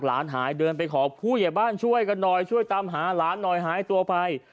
หลานหายเดินไปขอผู้ใหญ่บ้านช่วยกันหน่อยช่วยตามหาหลานหน่อยหายตัวไป